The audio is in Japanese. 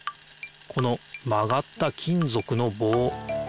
このまがった金ぞくのぼう。